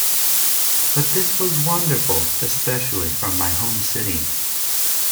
But this was wonderful, especially from my home city.